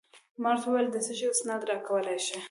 ما ورته وویل: د څه شي اسناد راکولای شې؟